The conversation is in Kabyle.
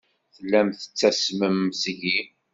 Tellam tettasmem seg-i.